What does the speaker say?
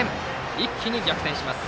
一気に逆転します。